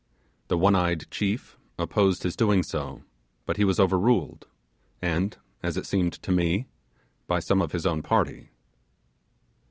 The one eyed chief opposed his doing so, but he was overruled, and, as it seemed to me, by some of his own party.